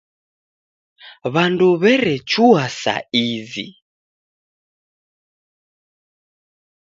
W'andu werechua sa izi.